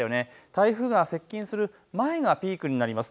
台風が接近する前がピークになります。